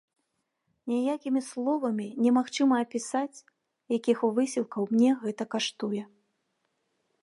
Ніякімі словамі немагчыма апісаць, якіх высілкаў мне гэта каштуе.